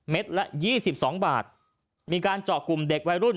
เมตรละ๒๒บาทมีการเจาะกลุ่มเด็กวัยรุ่น